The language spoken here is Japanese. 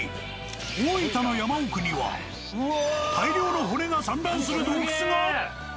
大分の山奥には大量の骨が散乱する洞窟が？